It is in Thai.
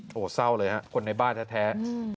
โหเศร้าเลยครับคนในบ้านแท้